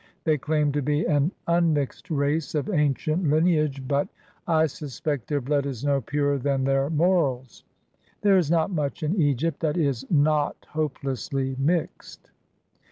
They claim to be an immixed race of ancient lineage; but I suspect their blood is no purer than their morals. There is not much in Egypt that is not hopelessly mixed.